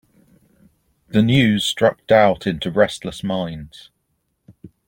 The news struck doubt into restless minds.